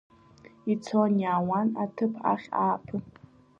Ицон-иаауан аҭыԥ ахь ааԥын.